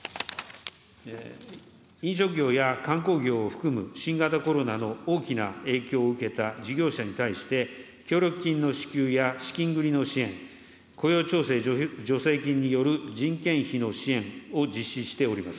飲食業や観光業を含む、新型コロナの大きな影響を受けた事業者に対して、協力金の支給や資金繰りの支援、雇用調整助成金による人件費の支援を実施しております。